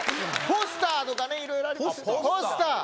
ポスターとかねいろいろありますポスター！